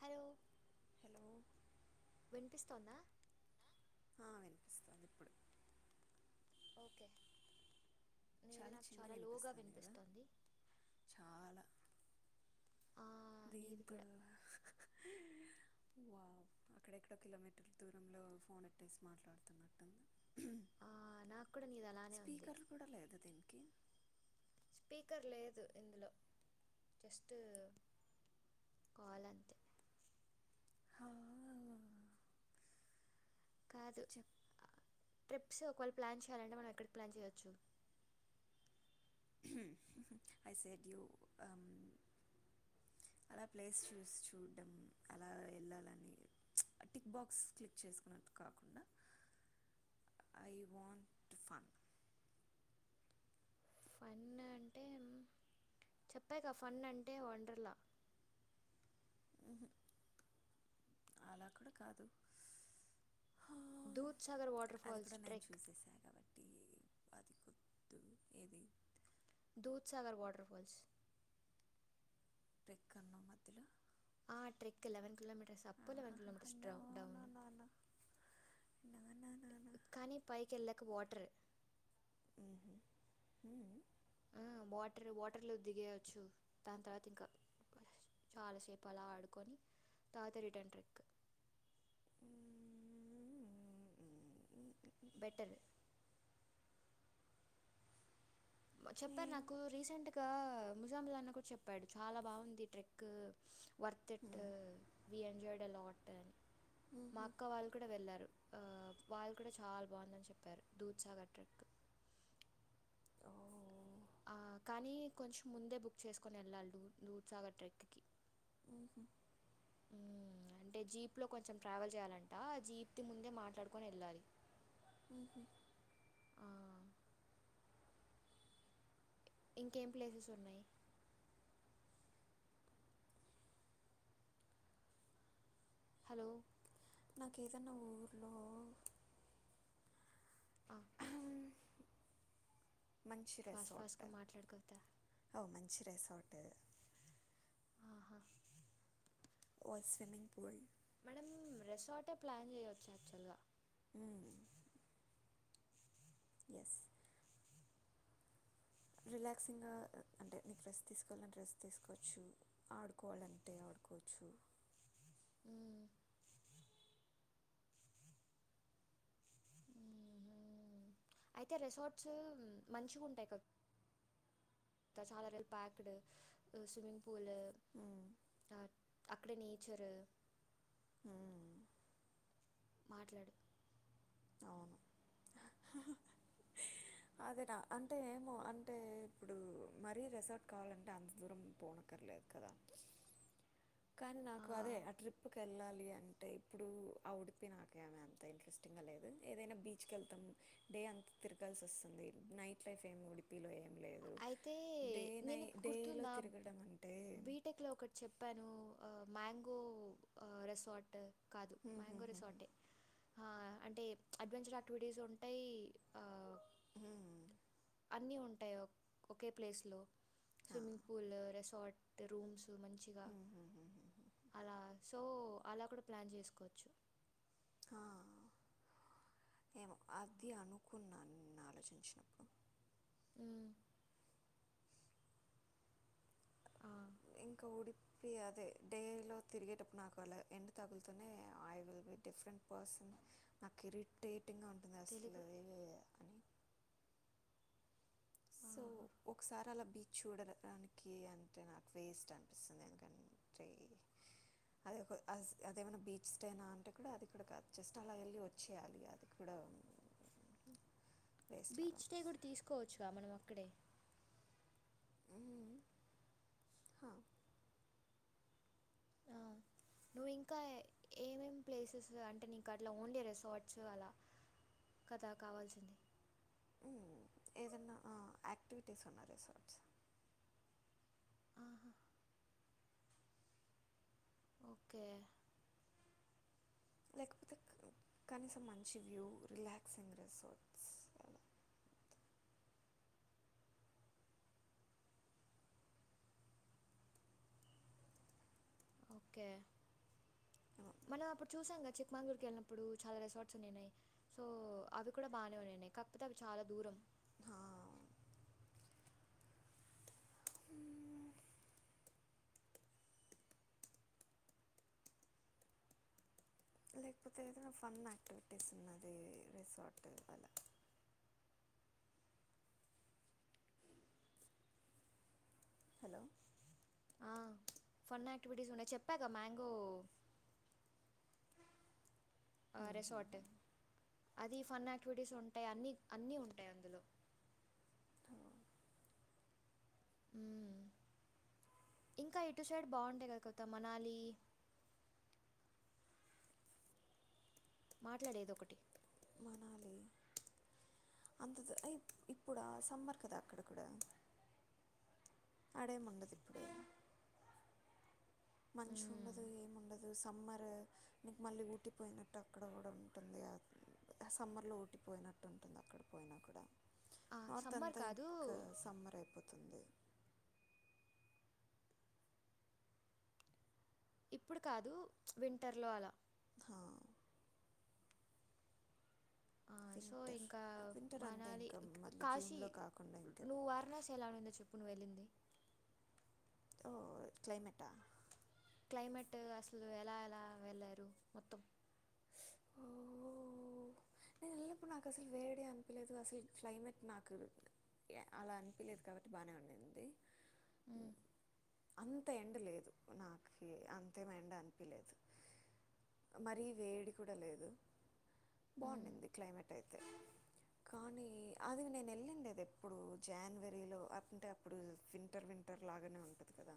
Hello hello వినిపిస్తోందా ఆ, వినిపిస్తుంది ఇప్పుడు ఓకే నీది నాకు చాలా లోగా వినిపిస్తుంది దింతా వావ్ అక్కడెక్కడో కిలోమీటర్ల దూరంలో ఫోన్ ఎట్టేసి మాట్లాడుతున్నట్టుంది ఆ నాకు కూడా నీది అలానే ఉంది స్పీకర్లు కూడా లేదు దీనికి స్పీకర్ లేదు ఇందులో జస్ట్ కాల్ అంతే హా, కాదు చెప్ ట్రిప్స్ ఒకవేళ ప్లాన్ చేయాలంటే మనం ఎక్కడికి ప్లాన్ చేయోచ్చు ఐ సైడ్ యూ ఆమ్ అలా ప్లేస్ చూసి చూడ్డం అలా వెళ్ళాలని టిక్ బాక్స్ క్లిక్ చేసుకున్నట్టు కాకుండా I want to fun fun అంటే చెప్పాగా ఫన్ అంటే వండర్లా అలా కూడా కాదు దూద్ సాగర్ వాటర్ అది ఫాల్స్ కూడా నేను ట్రెక్ చూసెస కాబట్టి అది కొద్దు ఏది దుస్సాగర్ వాటర్ ఫాల్స్ టెక్కన్న మధ్యలో ఆ trek eleven kilometres up eleven ఆహాహా, కిలోమీటర్స్ డౌ డౌన్ కానీ పైకి వెళ్లాక వాటర్ అ ఆ వాటర్ వాటర్లో దిగేయవచ్చు దాని తర్వాత ఇంకా చాలాసేపు అలా ఆడుకొని తాత రిటర్న్ ట్రిక్ బెటర్ చెప్పారు ఏం? నాకు రీసెంట్ గా ఇంకా ముజాంలా అన్న కూడ చెప్పాడు చాలా బాగుంది ట్రెక్ వర్తిట్ వు ఎంజాయ్ అలర్ట్ మా అక్క వాళ్ళు కూడా వెళ్ళారు ఆ వాళ్ళు కూడా చాలా బాగుందని చెప్పారు దూద్ సాగర్ ట్రిక్ ఓ ఆ కానీ కొంచెం ముందే బుక్ చేసుకొని వెళ్ళాలి దూద్ సాగర్ ట్రెక్ కి ఉహు అంటే జీప్లో కొంచెం ట్రావెల్ చేయాలంట ఆ జీప్ ముందే మాట్లాడుకొని వెళ్ళాలి ఆ, ఇంకేం ప్లేసెస్ ఉన్నాయి హలో నాకు ఏదన్న ఊర్లో ఆ, మంచి ఫాస్ట్ రెసార్ట్ ఫాస్ట్గా మాట్లాడు కవిత ఓ మంచి రెసార్ట్ ఆహా ఓ స్విమింగ్ పూల్ మేడం రెసార్టే ప్లాన్ జేయొచ్చు యాక్చువల్ గా ఎస్ రిలాక్సింగ్గా అంటే నీకు రెస్ట్ తీసుకోవాలంటే రెస్ట్ తీసుకోవచ్చు ఆడుకోవాలంటే ఆడకో కుచ్చు అ అయితే రెసార్ట్స్ మంచిగా ఉంటాయి కదా తసాదరల్ ప్యాక్డ్ స్విమ్మింగ్ పూల్ మ్మ్. అక్కడ నేచరు హ మాట్లాడు అవును అదేనా అంటే ఏమో అంటే ఇప్పుడు మరీ రెసార్ట్ కావాలంటే అంత దూరం పోన పర్లేదు కదా కానీ నాకు అదే ఆ ట్రిప్కి వెళ్ళాలి అంటే ఇప్పుడు ఆ ఉడిపి నాకేమ అంత ఇంట్రెస్టింగ్ లేదు ఏదైనా బీచ్కి వెళ్తాము డే అంత తిరగాల్సి వస్తుంది నైట్ లైఫ్ ఏ ఉడిపిలోయ అయితే నేను నీకు డేలో గుర్తుందా తిరగడం అంటే బీటెక్ లో ఒకటి చెప్పాను ఆ మ్యాంగో రెసార్ట్ కాదు హ్మ్ హ్మ్ మ్యాంగో హ్మ్ హ్మ్. రెసార్టే ఆ అంటే అడ్వెంచర్ యాక్టివిటీస్ ఉంటయ్ ఆ ఉహు అన్నీ ఉంటాయి ఒక్-ఒకే ప్లేస్లో స్విమ్మింగ్ పూల్ రెసార్ట్ రూమ్స్ దు మంచిగా హ్మ్ హ్మ్ హ్మ్ హ్మ్. అలా సో అలా కూడా ప్లాన్ చేసుకోచ్చు ఏమొ అది అనుకున్నాన్ నెను ఆలోచించినప్పుడు ఉమ్ ఆ, ఇంక ఊడిపి అదే డే లో తిరిగేటప్పుడు నాకు అలా ఎండ తగుల్తనే I will be different person నాకు ఇరిట్టెటింగ్గా ఉంటుంది అసలు తెలుగు ఇవె అని సో ఆహా. ఒకసారి అలా బీచ్ చూడర డానికి అంటే నాకు వేస్ట్ అనిపిస్తుంది ఎందుకన్ టే అదె ఒక అదేమైన బీచ్ స్టే నా అంటే కూడా అది కూడా కాదు జస్ట్ అలా వెళ్ళి వచ్చేయాలి అది కూడ వేస్ట్‌లాగా బీచ్ డే కూడా అనిపిస్తుంది. తీసుకోవచ్చుగా మనం అక్కడే హ్మ్ హ ఆ నువ్వు ఇంకా ఏమేం ప్లేసెస్ అంటే నీకు అట్ల ఓన్లీ రెసార్ట్స్ అలా కథ కావాల్సింది మ్ ఏదన్నా ఆ యాక్టివిటీస్ ఉన్న రిసార్ట్స్ ఆహా, ఓకే లేకపోతే క్ కనీసం మంచి వ్యూ రిలాక్సింగ్ రిసార్ట్స్ అల ఓకే మనం అప్పుడు చూసాం గద చిక్మంగూర్ కెళ్ళినప్పుడు చాలా రిసార్ట్స్ ఉన్నిన్నయ్ సో అవి కూడా బానే ఉన్నిన్నయ్ కాకపోతే అవి చాలా దూరం లేకపోతే ఏదైనా ఫన్ యాక్టివిటీస్ ఉన్నది రిసార్ట్ అల హలొ ఆ ఫన్ యాక్టివిటీస్ ఉన్నయ్ చెప్పాగా మ్యాంగో ఆ మ్మ్, మ్మ్, రిసార్ట్ మ్మ్. అది ఫన్ యాక్టివిటీస్ ఉంటయి అన్ని అన్ని ఉంటయి అందులో హలో. ఉమ్ ఇంకా ఇటు సైడ్ బావుంటయి గద కత మనాలి మాట్లాడేదో ఒకటి మనాలి అంత దు ఇ ఇప్పుడా సమ్మర్ కదా అక్కడ కూడా అడేముండదు ఇప్పుడు మ్మ్. మంచిగుండదు ఏం ఉండదు సమ్మర్ నిక్ మళ్ళీ ఊటి పోయినట్టు అక్కడ గూడా ఉంటుంది గ సమ్మర్ లో ఊటి పోయినట్టు ఉంటుంది అక్కడ పోయినా కూడా ఆ, నార్త్ సమ్మర్ అంతా కాదు ఇంక సమ్మర్ అయిపోతుంది ఇప్పుడు కాదు వింటర్ లో అలా ఆ సో వింటర్ ఇంకా వింటర్ అంటే మనాలి ఇంకా క్ మళ్ళీ కాశీ జూన్లో కాకుండా ఇంకా నువ్వు వారణాసీ ఎలా ఉనిందొ చెప్పు నువెళ్ళింది ఓహ్ క్లైమేట్ ఆ క్లైమేట్ అసలు ఎలా ఎలా వెళ్ళారు మొత్తం ఇపుడు నాకు అసలు వెడి అనిపియలేదు అసలు క్లైమేట్ నాకు అలా అనిపిలేదు కాబట్టి బానే ఉండింది ఉమ్ అంత ఎండ లేదు నాకు అంతేం ఎండ అనిపిలేదు మరీ వేడి కూడ లేదు మ్మ్. బావుండింది క్లైమేట్ అయితే కానీ అది నేను వెళ్ళండెది ఎప్పుడు జానవరిలో అప్ అంటే అప్పుడు వింటర్ వి వింటర్ లాగానే ఉంటది కదా,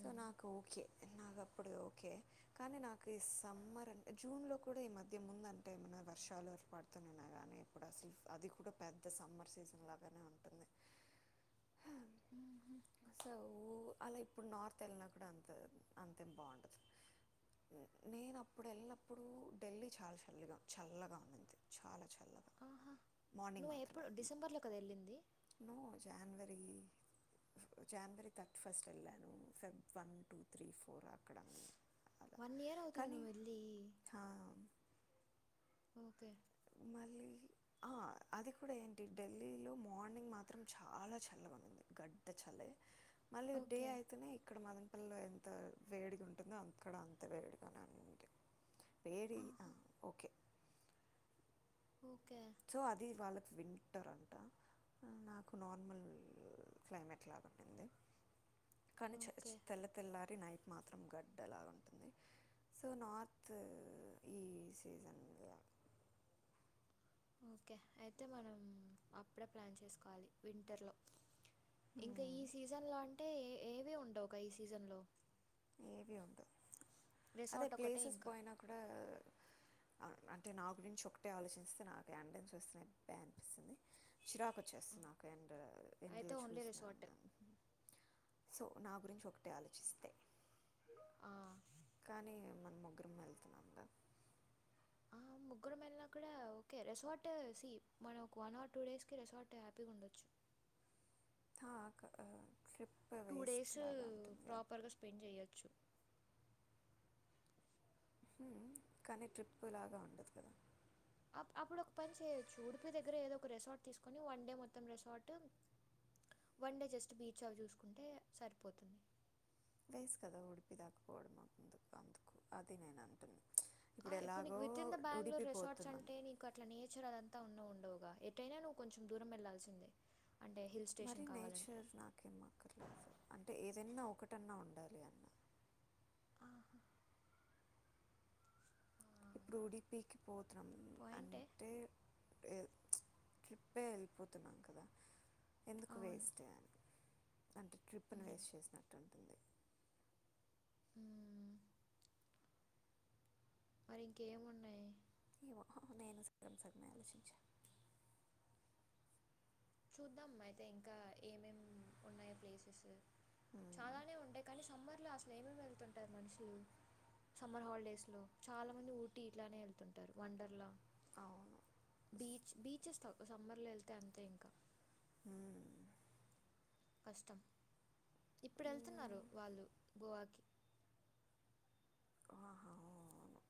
సొ నాకు ఓకే. నాకు బ్లాంక్ అప్పుడు ఓకే కానీ నాకు ఈ సమ్మర్ అంటే జూన్ లో కూడా ఈ మధ్య ముందు అంటే ఏమన్నా వర్షాలు పడలే పడుతున్న కానీ ఇప్పుడు అసలు అది కూడా పెద్ద సమ్మర్ సీజన్ లాగనే ఉంటుంది మ్మ్. సో అలై ఇప్పుడు నార్త్ వెళ్ళినా కూడా అంత అంతేం బావుండదు. నేను అప్పుడు వెళ్ళినప్పుడు ఢిల్లీ చాలా చలిగా చల్లగా ఉండింది. ఆహా మార్నింగ్ నువ్వు ఎప్పుడు మాత్రమే డిసెంబర్లో కదా వెళ్ళింది no January January thirty first వెళ్ళాను. Feb one, two, three, four అక్కడ అలా వన్ ఇయర్ అవుతుంది. కానీ నువు వెళ్ళి ఓకే మళ్ళీ ఆహా అది కూడా ఏంటి ఢిల్లీలో మార్నింగ్ మాత్రం చాలా చల్ల బానుంది గడ్ద చలే మళ్ళీ డే అయితేనే ఇక్కడ మనం బ్లాంక్ వేడిగా ఉంటుంది అక్కడ అంత వేడిగానే ఉంది. వేడి ఆహా అయిన ఓకే ఓకే సో అది వాళ్ళకి వింటరంట. నాకు నార్మల్ క్లైమేట్ లాగా ఉండింది. కానీ చలి ఓకే తెల్ల తెల్లారి నైట్ మాత్రం గడ్డ లాగ ఉంటుంది. సో నార్తు ఈ సీజన్ వే బ్లాంక్ ఓకే అయితే మనం అప్పుడే ప్లాన్ చేసుకోవాలి వింటర్లో. ఇంకా ఈ సీజన్ లో అంటే ఏ ఏవి ఉండవు క ఈ సీజన్ లో ఏవి ఉండవు అదే రిసార్ట్ ఒకటే ప్లేసెస్ ఇంకా పోయినా కూడా అంటే నా గురించి ఒకటే ఆలోచిస్తే నాకు అండెన్స్ వస్తన్నాయి బా అనిపిస్తుంది చిరాకు వచ్చేస్ నాకు అండ్ అయితే ఎందులో ఓన్లీ చూసినా రిసార్ట్ గాని సో నా గురించి ఒకటే ఆలోచిస్తే ఆ, కానీ మనం ముగ్గురం వెళ్తున్నాము దా ఆ ముగ్గు ముగ్గురం వెళ్లిన కూడ ఓకే రెసార్ట్ సి మన ఒక వన్ ఆర్, టూ డేస్ కి రిసార్ట్ హ్యాపీగా ఉండొచ్చు. బ్లాంక్ తా కదా ట్రిప్ టూ వేస్ట్ డేస్ లాగా ఉంటుంది కదా. ప్రాపర్గా స్పెండ్ చేయొచ్చు మ్ కానీ ట్రిప్పు లాగా ఉండదు కదా అప్ అప్పుడు ఒక పని చేయొచ్చు ఉడిపి దగ్గర ఏదో ఒక రెసార్ట్ తీసుకొని వన్ డే మొత్తం resort one day just beach అవి చూసుకుంటే సరిపోతుంది. వేస్ట్ కదా ఉడిపి దాకపోవడం ఎందుకు అందుకు అది నేను అంటుంది. ఆ ఇప్పుడు నీకు వితి in the Bengaluru Udupi resorts పోతున్నాం అంటే నీకు అట్ల నేచర్ అదంతా ఉన్నవు ఉండవు. ఎటైనా నువ్వు కొంచెం దూరం వెళ్లాల్సిందే. మరి నేచర్ నాకేం అక్కర్లేదు అంటే ఏదన్న ఒ కటన్నా ఉండాలిగా అన్న ఆహా ఇప్పుడు ఉడిపీకి పోతాం పాయింటే అంటే వేరు ప్చ్ ట్రిప్పే వెళ్ళిపోతున్నాం కదా ఎందుకు అవును వేస్ట్ అంటే ట్రిప్ను వేస్ట్ చేసిన ఉమ్ మరి ఇంకేమున్నయి? ఏమో నేను సగమ్ సగమే ఆలోచించ చూద్దాం అయితే ఇంకా ఏమేమ్ ఉన్నాయో ప్లేసెసు మ్మ్. చాలానే ఉంటయి కానీ సమ్మర్ లో అసల్ ఏమేమ్ ఎల్ తుంటరు మనుషులు సమ్మర్ హాల్ డేస్ లో చాలా మంది ఊటి ఇట్లనే ఎల్ తుంటరు వండర్ లా అవును బీచ్ బీచీస్త సమ్మర్ లో ఎల్ తే అంతే ఇంగ్ ఉమ్ కష్టం ఇప్పుడెళ్తున్నారు మ్మ్. వాళ్ళు గోవాకి ఆహా, అవును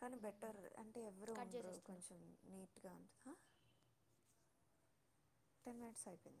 కానీ మ్మ్. బెటర్ అంటే ఎవ్వరూ కట్ ఉండ్రు చేసేస్తున్నా కొంచెం నీట్ గా ప్చ్ టెన్ మినెట్స్ అయిపోయింది.